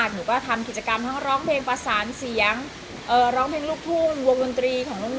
หนูก็จะใช้เวลาแม่งตรงนั้น